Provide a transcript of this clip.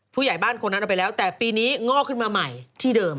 ผู้ใหญ่บ้านคนนั้นเอาไปแล้วแต่ปีนี้งอกขึ้นมาใหม่ที่เดิม